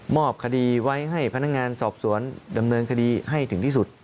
อบคดีไว้ให้พนักงานสอบสวนดำเนินคดีให้ถึงที่สุด